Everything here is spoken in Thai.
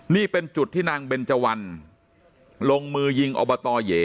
นี่เป็นจุดที่นางเบนเจวันลงมือยิงอบตเหย